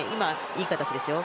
いい形ですよ。